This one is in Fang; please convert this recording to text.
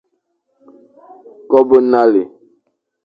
Ke bo nale,